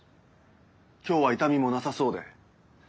今日は痛みもなさそうで。